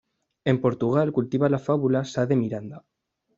En Portugal cultiva la fábula Sá de Miranda.